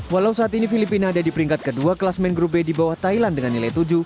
walau saat ini filipina ada di peringkat kedua kelas main grup b di bawah thailand dengan nilai tujuh